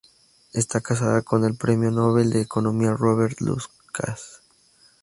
Está casada con el Premio Nobel de Economía Robert Lucas.